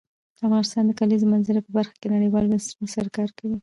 افغانستان د د کلیزو منظره په برخه کې نړیوالو بنسټونو سره کار کوي.